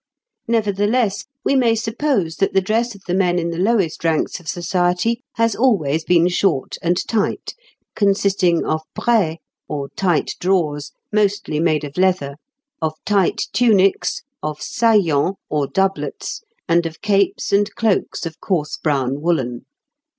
Nevertheless, we may suppose that the dress of the men in the lowest ranks of society has always been short and tight, consisting of braies, or tight drawers, mostly made of leather, of tight tunics, of sayons or doublets, and of capes or cloaks of coarse brown woollen.